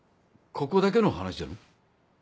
ここだけの話じゃの。